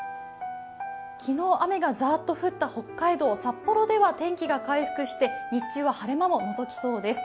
昨日、雨がザーッと降った北海道札幌では天気が回復して日中は晴れ間ものぞきそうです。